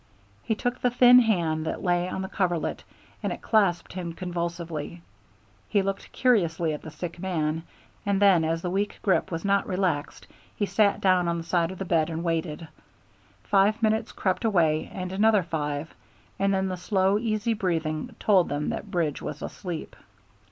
He took the thin hand that lay on the coverlet and it clasped his convulsively. He looked curiously at the sick man, and then as the weak grip was not relaxed he sat down on the side of the bed and waited. Five minutes crept away, and another five, and then the slow easy breathing told them that Bridge was asleep.